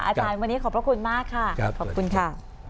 อาจารย์วันนี้ขอบพระคุณมากค่ะขอบคุณค่ะ